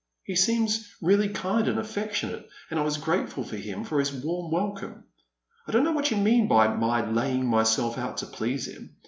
" He seems really kind and affectionate, and I was gi ateful to him for his warm welcome. I don't know what you mean by my laying myself out to please him.